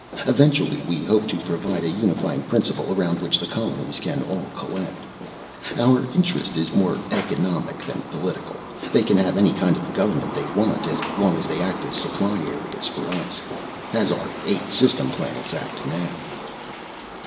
Eventually we hope to provide a unifying principle around which the colonies can all collect. Our interest is more economic than political. They can have any kind of government they want, as long as they act as supply areas for us. As our eight system planets act now."